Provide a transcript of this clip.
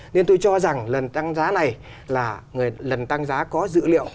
nên tôi cho rằng lần tăng giá này là lần tăng giá có dữ liệu